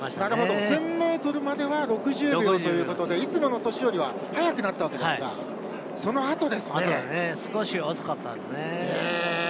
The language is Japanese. １０００ｍまでは６０秒ということでいつもの年よりは早くなったわけですが少し遅かったんですね。